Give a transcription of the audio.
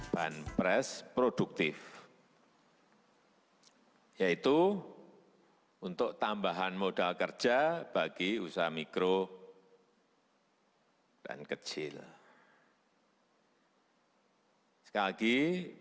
bantuan sosial atau bantuan sosial produktif menjadi secerca harapan bagi para pelaku umkm